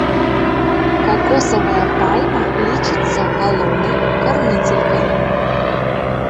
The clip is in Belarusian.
Какосавая пальма лічыцца галоўнай карміцелькай.